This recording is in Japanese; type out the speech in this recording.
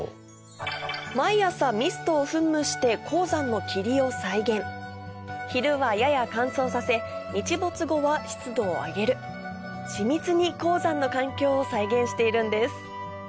毎朝ミストを噴霧して高山の霧を再現昼はやや乾燥させ日没後は湿度を上げる緻密に高山の環境を再現しているんです